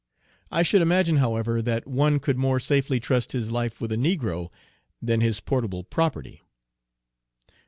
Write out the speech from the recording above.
I should imagine, however, that one could more safely trust his life with a negro than his portable property."